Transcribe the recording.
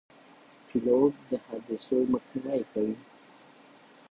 پیلوټ د حادثو مخنیوی کوي.